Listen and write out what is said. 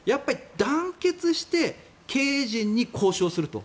団結して経営陣に交渉すると。